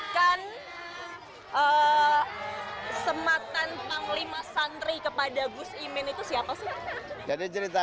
gus imen satu dong berarti